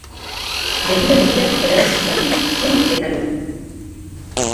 Begira-begira geratu zitzaion, zur eta lur.